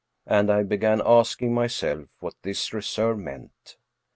And I began asking myself what this reserve meant.